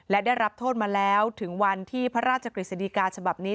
และได้รับโทษมาแล้วถึงวันที่พระราชกฤษฎีกาฉบับนี้